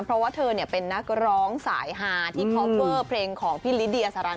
เพราะว่าเธอเป็นนักร้องสายฮาที่คอฟเวอร์เพลงของพี่ลิเดียสารัน